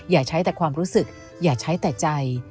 อย่าใช้แต่ความรู้สึกอย่าใช้แต่ใจ